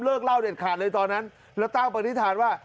เล่าเด็ดขาดเลยตอนนั้นแล้วตั้งปณิธานว่า